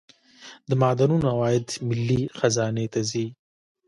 د معدنونو عواید ملي خزانې ته ځي